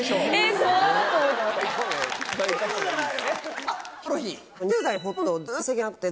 そういうことじゃないわ！